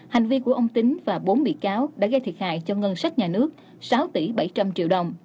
hành vi của ông tính và bốn bị cáo đã gây thiệt hại cho ngân sách nhà nước sáu tỷ bảy trăm linh triệu đồng